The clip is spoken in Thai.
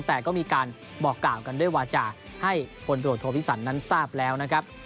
แต่ก็มีการบอกกล่าวกันด้วยวาจาให้พลตรวจโทพิสันนั้นทราบแล้วนะครับ